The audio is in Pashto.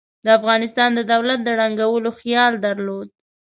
د افغانستان د دولت د ړنګولو خیال درلود.